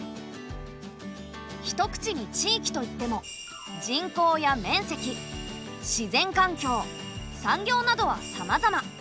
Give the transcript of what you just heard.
一口に地域といっても人口や面積自然環境産業などはさまざま。